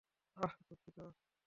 অহ, দুঃখিত।